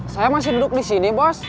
saya masih duduk di sini bos